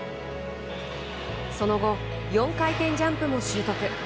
その後、４回転ジャンプも習得。